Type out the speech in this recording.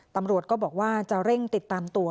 ตำรวจก็บอกว่าจะเร่งติดตามตัว